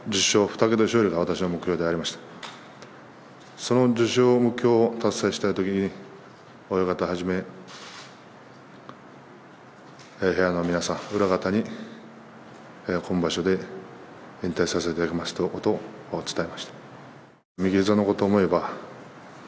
その目標を達成したときに、親方をはじめ部屋の皆さん、部屋の皆さん、裏方に今場所で引退させていただきますということを伝えました。